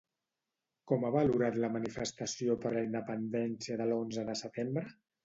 Com ha valorat la manifestació per la independència de l'onze de setembre?